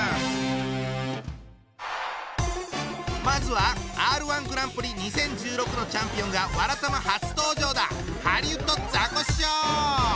まずはＲ−１グランプリ２０１６のチャンピオンが「わらたま」初登場だ！